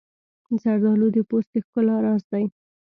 زردالو د پوست د ښکلا راز دی.